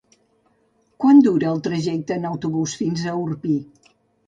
Quant dura el trajecte en autobús fins a Orpí?